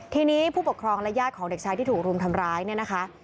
ทีนี้ผู้ปกครองและญาติของเด็กชายที่ถูกรุมทำร้ายเนี่ยนะคะ